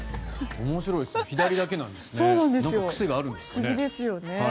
面白いですね。